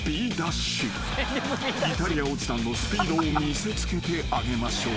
［イタリアおじさんのスピードを見せつけてあげましょう］